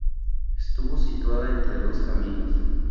Estuvo situada entre dos caminos.